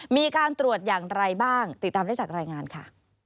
มีการตรวจอย่างไรบ้างติดตามได้จากรายงานค่ะ